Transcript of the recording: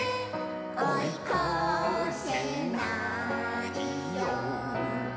「おいこせないよ」